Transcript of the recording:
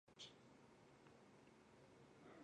马罗克弗尔德。